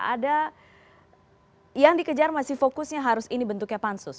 ada yang dikejar masih fokusnya harus ini bentuknya pansus